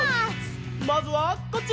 まずはこっち！